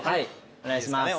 お願いします。